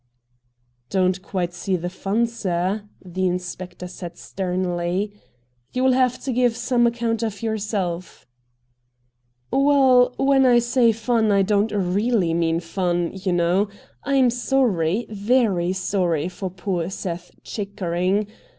Don't quite see the fun, sir,' the inspector said sternly. 'You will have to give some account of yourself.' ' Well, when I say fun I don't really mean fun you know. I am sorry, very sorry for poor Seth Chickering.